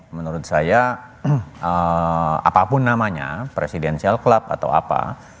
menurut saya apapun namanya presidensial club atau apa